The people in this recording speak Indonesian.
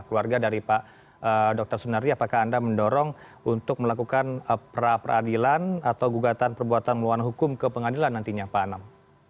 keluarga dari pak dr sunardi apakah anda mendorong untuk melakukan pra peradilan atau gugatan perbuatan melawan hukum ke pengadilan nantinya pak anam